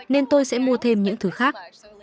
nên tôi sẽ mua thêm những thứ khác